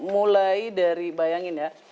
mulai dari bayangin ya